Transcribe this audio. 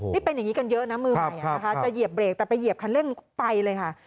นี่เป็นอย่างนี้กันเยอะนะมือใหม่นะคะจะเหยียบเรกแต่ไปเหยียบคันเร่งไปเลยค่ะ